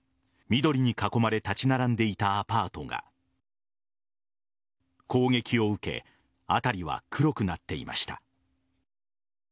緑に囲まれ立ち並んでいたアパートが攻撃を受け辺りは黒くなっていました。